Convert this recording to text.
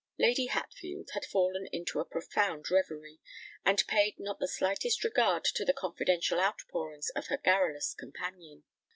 Lady Hatfield had fallen into a profound reverie, and paid not the slightest regard to the confidential outpourings of her garrulous companion.